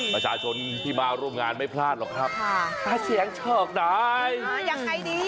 ประชาชนที่มาร่วมงานไม่พลาดหรอกครับค่ะเสียงชอกได้อ่ายังไงดี